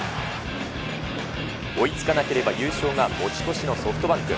追いつかなければ優勝が持ち越しのソフトバンク。